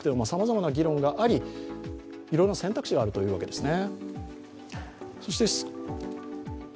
世界各国でさまざまな議論がありいろんな選択肢があるということですね。